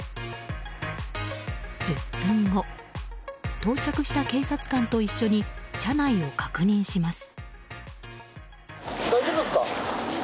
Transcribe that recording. １０分後到着した警察官と一緒に車内を確認します。